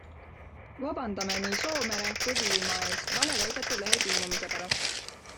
Vabandame nii Soomere kui Viilma ees valeväidete lehes ilmumise pärast.